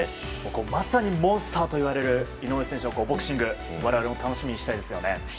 まさにモンスターといわれる井上選手のボクシング我々も楽しみにしたいですよね。